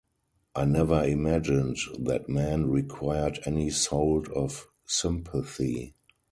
I never imagined that men required any solt of sympathy.